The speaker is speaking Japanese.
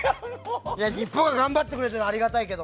日本が頑張ってくれてるのはありがたいけど。